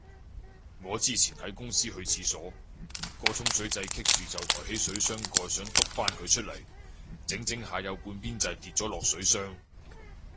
我之前喺公司去廁所，個沖水掣棘住就抬起水箱蓋想篤返佢出嚟，整整下有半邊掣跌咗落水箱